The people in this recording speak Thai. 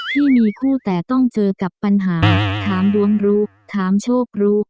ที่มีคู่แต่ต้องเจอกับปัญหาถามดวงรู้ถามโชครู้